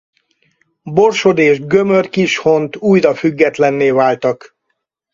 Borsod és Gömör-Kishont újra függetlenné váltak.